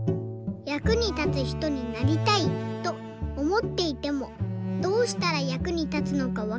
「役に立つひとになりたいとおもっていてもどうしたら役に立つのかわかりません。